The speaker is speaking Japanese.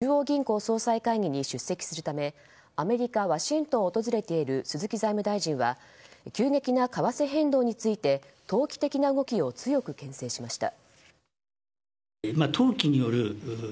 Ｇ２０主要２０か国・地域の財務相・中央銀行総裁会議に参加するためアメリカ・ワシントンを訪れている鈴木財務大臣は急激な為替変動について投機的な動きを強く牽制しました。